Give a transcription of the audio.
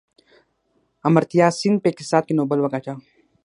امرتیا سین په اقتصاد کې نوبل وګاټه.